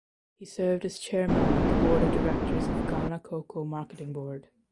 He served as chairman of the board of directors of Ghana Cocoa Marketing Board.